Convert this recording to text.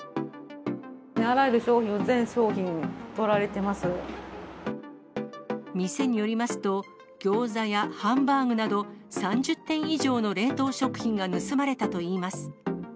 あらゆる商品、全商品とられ店によりますと、ギョーザやハンバーグなど、３０点以上の冷凍食品が盗まれたといいます。